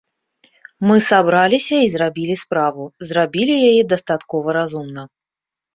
Мы сабраліся і зрабілі справу, зрабілі яе дастаткова разумна.